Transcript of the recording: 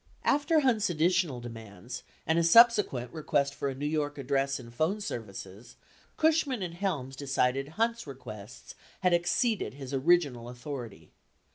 31 After Hunt's additional demands and a subsequent request for a New York address and phone services, Cushman and Helms decided Hunt's requests had exceeded his original authority.